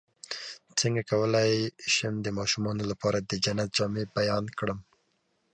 څنګه کولی شم د ماشومانو لپاره د جنت جامې بیان کړم